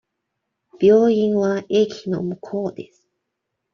病院は駅の向こうです。